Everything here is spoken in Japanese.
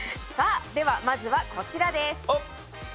さあではまずはこちらです。